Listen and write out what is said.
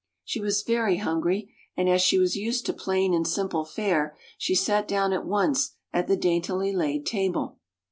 " She was very hungry, and as she was used to plain and simple fare, she sat down at once at the daintily laid table.